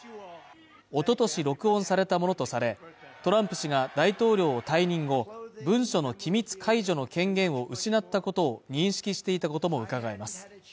おととし録音されたものとされ、トランプ氏が大統領退任後、文書の機密解除の権限を失ったことを認識していたこともうかがえます。